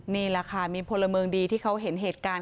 นี่แหละค่ะมีพลเมืองดีที่เขาเห็นเหตุการณ์